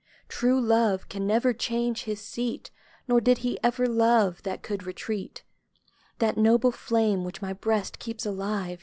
True love can never change his seat ; Nor did he ever love that can retreat. That noble flame, which my Ijreast keeps alive.